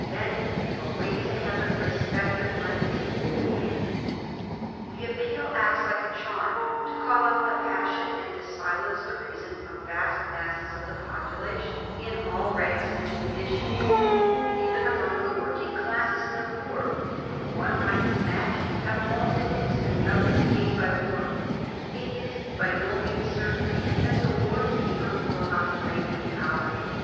Then " away to heaven, respective lenity " indeed 1 The appeal acts like a charm to call out the passion and to silence the reason of vast masses of the population in all ranks and conditions. Even among the working classes and the poor — who, one might imagine, have all to lose and nothing to gain by war — it is by no means certain that the war fever will not flame for the hour.